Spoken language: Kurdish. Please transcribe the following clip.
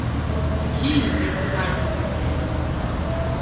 Kî li vir kar dizîvirîne?